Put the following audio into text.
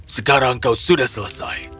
sekarang kau sudah selesai